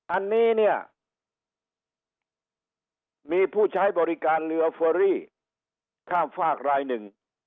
อันนี้เนี่ยมีผู้ใช้บริการเรือเฟอรี่ข้ามฝากรายหนึ่ง